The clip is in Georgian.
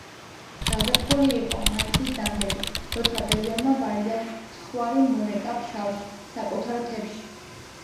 გაზაფხული იყო, მაისის დამდეგი, როცა ბეჟანმა ბარიდან ცხვარი მორეკა ფშავში, საკუთარ მთებში.